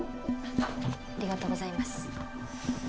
ありがとうございます。